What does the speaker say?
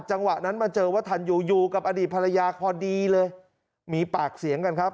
จังหวะนั้นมาเจอวัฒนยูอยู่กับอดีตภรรยาพอดีเลยมีปากเสียงกันครับ